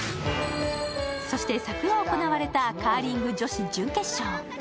そして昨夜行われたカーリング女子準決勝。